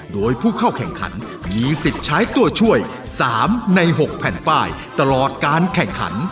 โดยผู้เข้าแข่งขันมีสิทธิ์ใช้ตัวช่วย๓ใน๖แผ่นป้ายตลอดการแข่งขัน